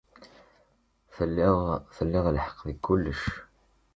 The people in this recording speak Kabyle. Tellid tlid lḥeqq deg kullec.